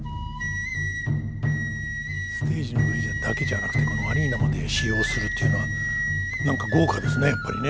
ステージの上だけじゃなくてこのアリーナまで使用するというのはなんか豪華ですねやっぱりね。